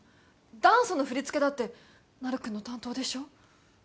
ダンスの振り付けだってなるくんの担当でしょ？